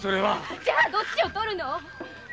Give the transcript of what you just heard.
じゃどっちを取るの？